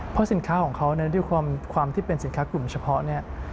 เพราะสินค้าของเขาด้วยความที่เป็นสินค้ากลุ่มเฉพาะเนี่ย